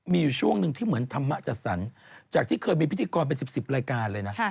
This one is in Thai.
มีอยู่ช่วงหนึ่งที่เหมือนธรรมะจัดสรรจากที่เคยมีพิธีกรเป็น๑๐รายการเลยนะ